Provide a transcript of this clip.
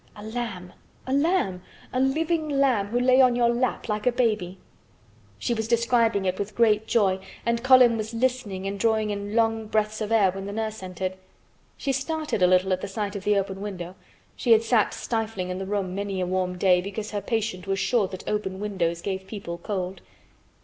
A lamb—a lamb! A living lamb who lay on your lap like a baby! She was describing it with great joy and Colin was listening and drawing in long breaths of air when the nurse entered. She started a little at the sight of the open window. She had sat stifling in the room many a warm day because her patient was sure that open windows gave people cold.